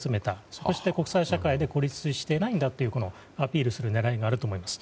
そして国際社会で孤立していないんだとアピールする狙いがあると思います。